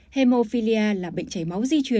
hemophilia là bệnh chảy máu di chuyển